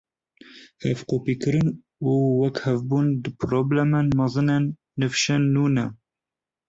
Hevkopîkirin û wekhevbûn du problemên mezin ên nivşên nû ne.